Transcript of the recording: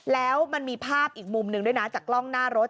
แล้วมันมีภาพอีกมุมหนึ่งด้วยนะจากกล้องหน้ารถ